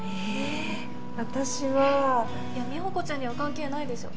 いや美保子ちゃんには関係ないでしょ